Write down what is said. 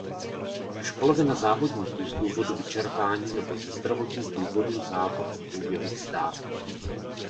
Až polovina závodníků z důvodu vyčerpání nebo ze zdravotních důvodů závod v průběhu vzdá.